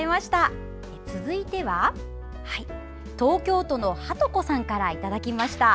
続いて東京都の鳩子さんからいただきました。